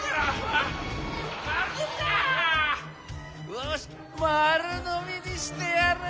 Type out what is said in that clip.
よしまるのみにしてやる！